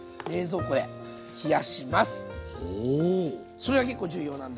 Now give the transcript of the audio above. それが結構重要なんで。